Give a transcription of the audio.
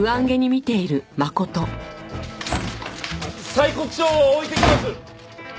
催告書を置いていきます。